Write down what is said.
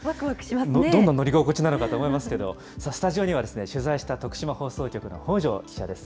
どんな乗り心地なのかと思いますけれども、スタジオには取材した徳島放送局の北城記者です。